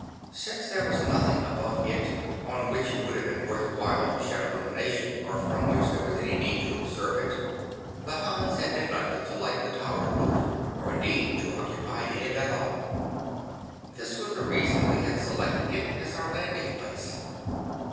Since there was nothing above it on which it would have been worth while to shed illumination, or from which there was any need to observe it, the Hans had neglected to light the tower roof, or indeed to occupy it at all. This was the reason we had selected it as our landing place.